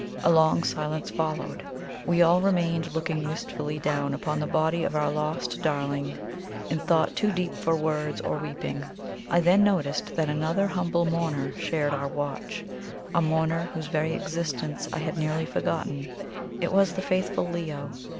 A long silence followed. We all remained looking wistfully down upon the body of our lost darling, in thought too deep for words or weeping. I then noticed that another humble mourner shared our watch a mourner whose very existence I had nearly forgotten. It was the faithful Leo.